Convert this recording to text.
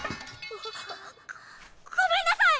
ごめんなさい！